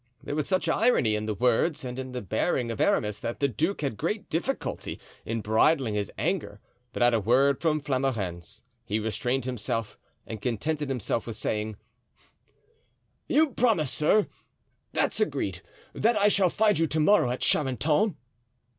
There was such irony in the words and in the bearing of Aramis that the duke had great difficulty in bridling his anger, but at a word from Flamarens he restrained himself and contented himself with saying: "You promise, sir—that's agreed—that I shall find you to morrow at Charenton?"